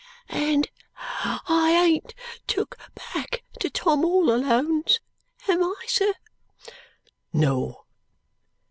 "And I ain't took back to Tom all Alone's. Am I, sir?" "No."